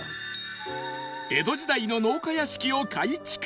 江戸時代の農家屋敷を改築